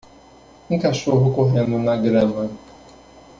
Um cachorro correndo na grama